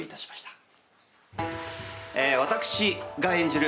私が演じる